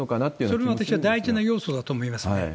それは私は、大事な要素だと思いますね。